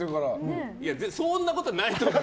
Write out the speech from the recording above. そんなんことはないと思う。